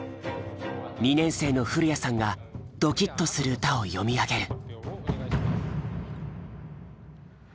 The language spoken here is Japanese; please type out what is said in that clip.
２年生の古谷さんがドキッとする歌を詠み上げる。